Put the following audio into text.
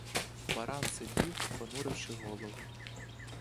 Баран сидів, понуривши голову.